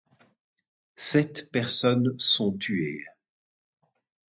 Sept personnes sont tuées.